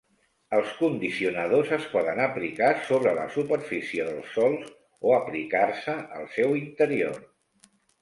Els condicionadors es poden aplicar sobre la superfície dels sòls o aplicar-se al seu interior.